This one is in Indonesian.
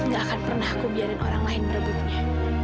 gak akan pernah aku biarin orang lain berebutnya